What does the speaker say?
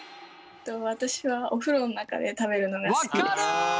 私はお風呂の中で食べるのが好きです。